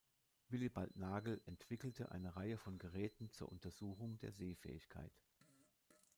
Willibald Nagel entwickelte eine Reihe von Geräten zur Untersuchung der Sehfähigkeit.